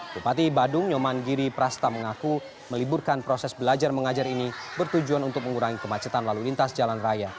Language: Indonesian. bupati badung nyoman giri prasta mengaku meliburkan proses belajar mengajar ini bertujuan untuk mengurangi kemacetan lalu lintas jalan raya